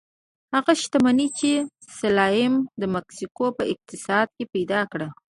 هغه شتمني چې سلایم د مکسیکو په اقتصاد کې پیدا کړه.